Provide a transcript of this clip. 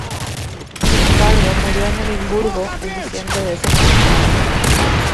Sin embargo, murió en Edimburgo en diciembre de ese mismo año.